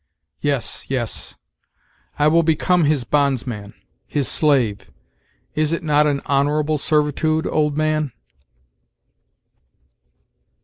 Yes, yes; I will become his bonds man his slave, Is it not an honorable servitude, old man?"